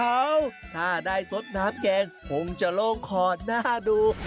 ว้าวถ้าได้สสน้ำแกงคงจะโล่งคอน่าดู